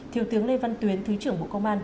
thiếu tướng lê văn tuyến thứ trưởng bộ công an